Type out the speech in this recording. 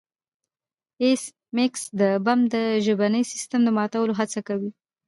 ایس میکس د بم د ژبني سیستم د ماتولو هڅه کوي